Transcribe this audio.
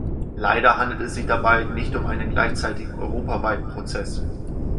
Leider handelt es sich dabei nicht um einen gleichzeitigen, europaweiten Prozess.